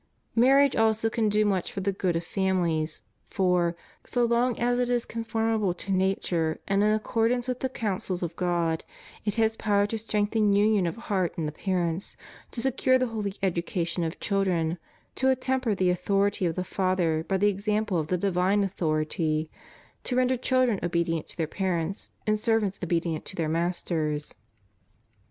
Marriage also can do much for the good of families, for, so long as it is conformable to nature and in accordance with the counsels of God, it has power to strengthen union of heart in the parents; to secure the holy education of children; to attemper the authority of the father by the example of the divine authority; to render children obedient to their parents and servants obedient to their masters.